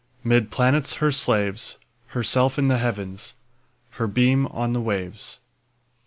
'Mid planets her slaves, Herself in the Heavens, Her beam on the waves.